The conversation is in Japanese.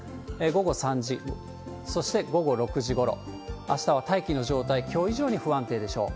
午後３時、そして午後６時ごろ、あしたは大気の状態、きょう以上に不安定でしょう。